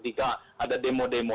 ketika ada demo demo